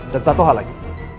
dan satu hal lagi